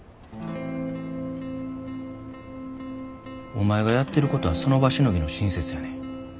お前がやってることはその場しのぎの親切やねん。